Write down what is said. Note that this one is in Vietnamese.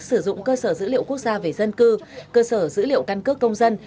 sử dụng cơ sở dữ liệu quốc gia về dân cư cơ sở dữ liệu căn cước công dân